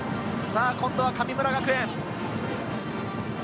今度は神村学園。